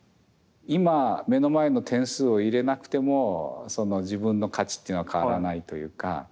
今目の前の点数を入れなくても自分の価値っていうのは変わらないというか。